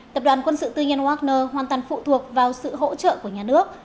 tập đoàn quân sự tư nhân wagner hoàn toàn phụ thuộc vào sự hỗ trợ của nhà nước